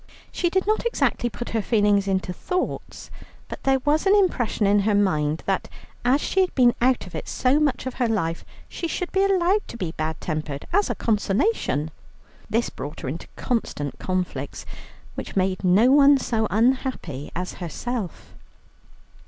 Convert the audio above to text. She did not exactly put her feelings into thoughts, but there was an impression in her mind that as she had been out of it so much of her life she should be allowed to be bad tempered as a consolation. This brought her into constant conflicts, which made no one so unhappy as herself.